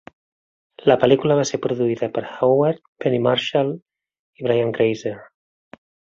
La pel·lícula va ser produïda per Howard, Penny Marshall i Brian Grazer.